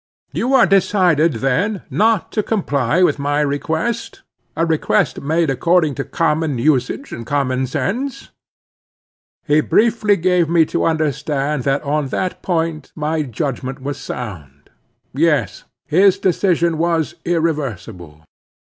"You are decided, then, not to comply with my request—a request made according to common usage and common sense?" He briefly gave me to understand that on that point my judgment was sound. Yes: his decision was irreversible.